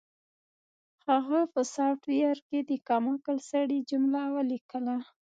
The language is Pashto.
هغه په سافټویر کې د کم عقل سړي جمله ولیکله